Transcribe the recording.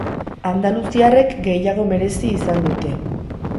Andaluziarrek gehiago merezi izan dute.